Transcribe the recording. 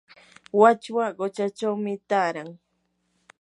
wachwa quchachawmi taaran.